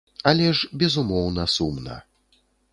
Але ж, безумоўна, сумна.